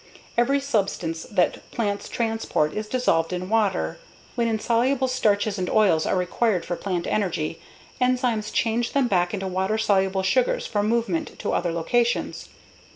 Every substance that plants transport is dissolved in water. When insoluble starches and oils are required for plant energy, enzymes change them back into water soluble sugars for movement to other locations.